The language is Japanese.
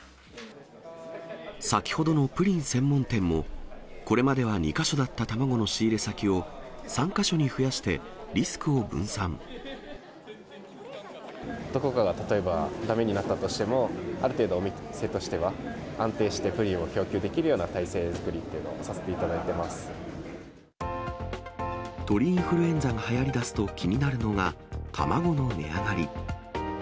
先ほどのプリン専門店も、これまでは２か所だった卵の仕入れ先を３か所に増やしてリスクをどこかが例えばだめになったとしても、ある程度店としては、安定してプリンを供給できるような体制作りっていうのをさせてい鳥インフルエンザがはやりだすと、気になるのが卵の値上がり。